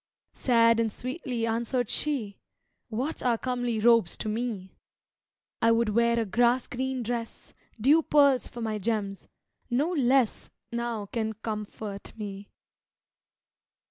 Sad and sweetly answered she, "What are comely robes to me? I would wear a grass green dress, Dew pearls for my gems no less Now can comfort me."